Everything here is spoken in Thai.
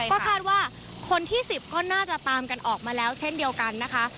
ก็คาดว่าคนที่๑๐ก็น่าจะตามกันออกมาแล้วเช่นเดียวกันนะคะ